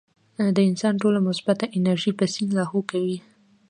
د انسان ټوله مثبت انرجي پۀ سين لاهو کوي -